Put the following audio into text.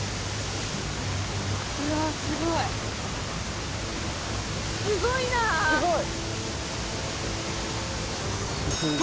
・うわすごい・・すごいな・いった？